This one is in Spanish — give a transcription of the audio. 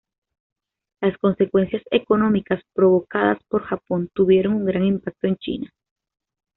Las consecuencias económicas provocadas por Japón tuvieron un gran impacto en China.